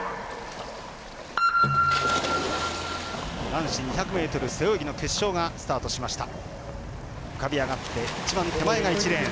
男子２００ｍ背泳ぎの決勝がスタートしました。